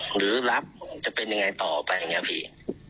หรือรับจะเป็นยังไงต่อไปอย่างนี้พี่